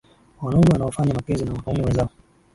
wanaume wanaofanya mapenzi na wanaume wenzao